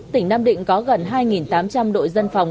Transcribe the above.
tỉnh nam định có gần hai tám trăm linh đội dân phòng